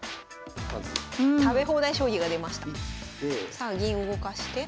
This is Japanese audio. さあ銀動かして。